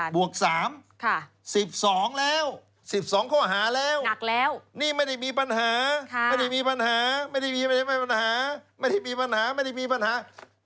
๙บวก๓สิบสองแล้วสิบสองข้อหาแล้วนี่ไม่ได้มีปัญหาไม่ได้มีปัญหาไม่ได้มีปัญหา